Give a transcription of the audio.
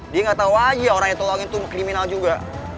dia gak tau aja orang yang tolong itu kriminal juga